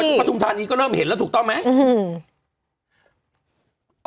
ถ้าขับออกไปตรงทางนี้ก็เริ่มเห็นแล้วถูกต้องไหมอือฮือ